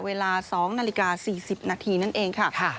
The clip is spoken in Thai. เวลา๒นาฬิกา๔๐นาทีนั่นเองค่ะ